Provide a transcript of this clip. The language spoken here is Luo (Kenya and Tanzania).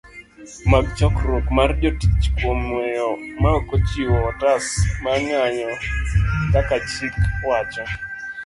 mag chokruok mar jotich kuom weyo maokochiwo otas marng'anyo kaka chik wacho